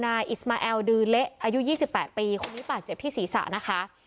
อิสมาแอลดือเละอายุ๒๘ปีคนนี้บาดเจ็บที่ศีรษะนะคะ